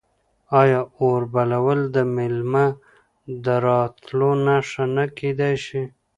آیا اور بلول د میلمه د راتلو نښه نه کیدی شي؟